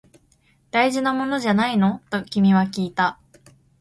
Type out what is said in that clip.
大事なものじゃないの？と君はきいた